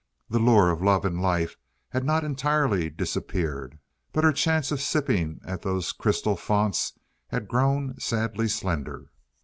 The lure of love and life had not entirely disappeared, but her chance of sipping at those crystal founts had grown sadly slender.